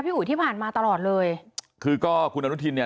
อุ๋ยที่ผ่านมาตลอดเลยคือก็คุณอนุทินเนี่ย